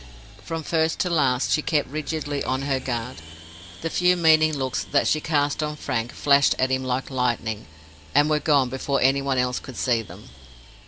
From first to last, she kept rigidly on her guard. The few meaning looks that she cast on Frank flashed at him like lightning, and were gone before any one else could see them.